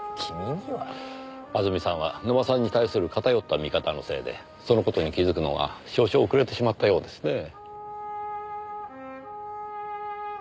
あずみさんは野間さんに対する偏った見方のせいでその事に気づくのが少々遅れてしまったようですねぇ。